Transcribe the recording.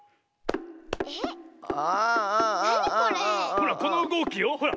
ほらこのうごきよほら。